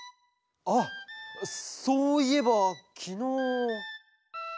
あっそういえばきのう。